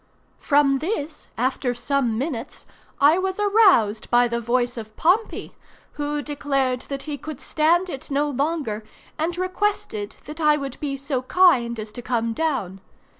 From this, after some minutes, I was aroused by the voice of Pompey, who declared that he could stand it no longer, and requested that I would be so kind as to come down.